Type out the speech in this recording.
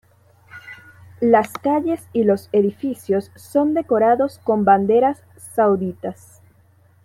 Las calles y los edificios son decorados con banderas Sauditas.